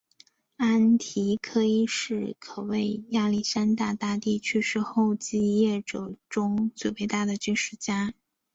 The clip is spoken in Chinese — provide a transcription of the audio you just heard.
安提柯一世可谓亚历山大大帝去世后继业者中最伟大的军事家。